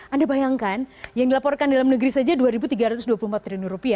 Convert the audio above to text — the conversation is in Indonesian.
anda bayangkan yang dilaporkan dalam negeri saja rp dua tiga ratus dua puluh empat triliun